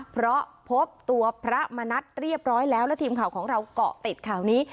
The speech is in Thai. เพราะพบตัวพระมณัฐเรียบร้อยแล้วและทีมข่าวของเราเกาะติดข่าวนี้